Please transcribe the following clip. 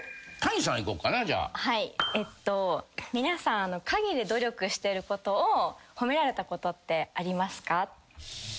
皆さん陰で努力してることを褒められたことってありますか？